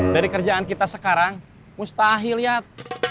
dari kerjaan kita sekarang mustahil ya